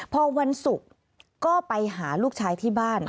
พอวันศุกร์ก็ไปหาลูกชายที่บ้าน